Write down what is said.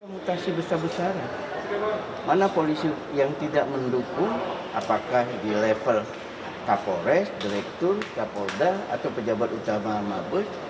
mutasi besar besaran mana polisi yang tidak mendukung apakah di level kapolres direktur kapolda atau pejabat utama mabes